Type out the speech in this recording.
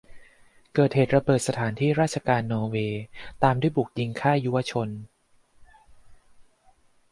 เกิดเหตุระเบิดสถานที่ราชการนอร์เวย์ ตามด้วยบุกยิงค่ายยุวชน